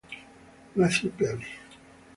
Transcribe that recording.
Matthew Kelly